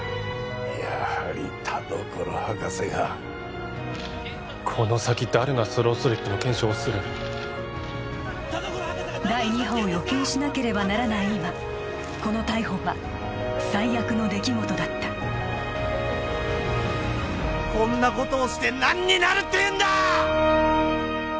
やはり田所博士がこの先誰がスロースリップの検証をする第二波を予見しなければならない今この逮捕は最悪の出来事だったこんなことをして何になるっていうんだ！